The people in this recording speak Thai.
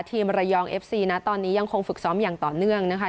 ทีมระยองเอฟซีนะตอนนี้ยังคงฝึกซ้อมอย่างต่อเนื่องนะคะ